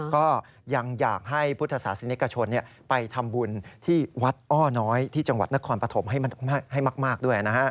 ก็ยังอยากให้พุทธศาสนิกชนไปทำบุญที่วัดอ้อน้อยที่จังหวัดนครปฐมให้มากด้วยนะฮะ